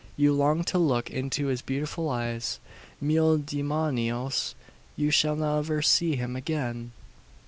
You long to look into his beautiful eyes. Mil demonios! you shall never see them again!"